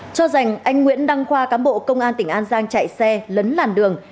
cho rằng anh nguyễn đăng khoa cán bộ công an tỉnh an giang chạy xe lấn làn đường